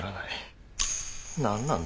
何なんだ？